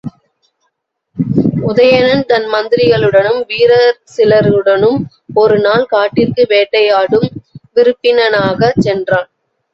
உதயணன் தன் மந்திரிகளுடனும் வீரர் சிலருடனும் ஒரு நாள் காட்டிற்கு வேட்டையாடும் விருப்பினனாகச் சென்றான்.